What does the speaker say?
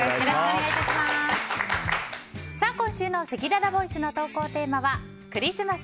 今週のせきららボイスの投稿テーマはクリスマス！